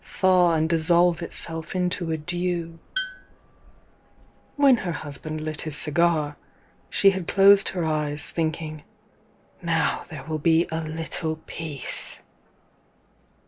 Thaw and dissolve itself into a dew !'' When her husband lit his cigar, she had closed her eyes, thinking: "Now there will be a little peace!"